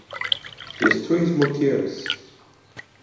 Les Trois-Moutiers